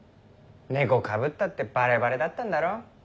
猫かぶったってバレバレだったんだろ？